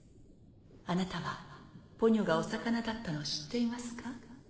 あなたはポニョがお魚だったのを知っていますか？